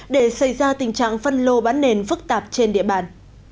để xây ra tình trạng phân lô bán nền phức tạp trên địa bàn